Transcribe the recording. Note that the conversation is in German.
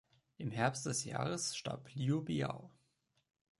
Im Herbst des Jahres starb Liu biao.